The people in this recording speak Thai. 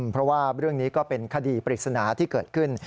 เพราะว่าเรื่องนี้ก็เป็นคดีปริศนาที่เกิดขึ้น